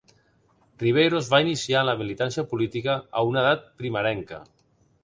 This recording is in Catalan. Ribeiro es va iniciar en la militància política a una edat primerenca.